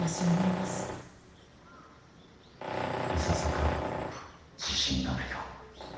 いささか自信がないが。